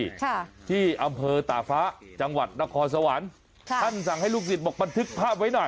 ค่ะที่อำเภอตาฟ้าจังหวัดนครสวรรค์ค่ะท่านสั่งให้ลูกศิษย์บอกบันทึกภาพไว้หน่อย